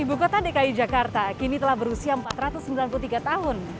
ibu kota dki jakarta kini telah berusia empat ratus sembilan puluh tiga tahun